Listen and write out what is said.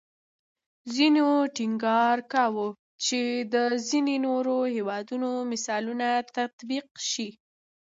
ځینو ټینګار کوو چې د ځینې نورو هیوادونو مثالونه تطبیق شي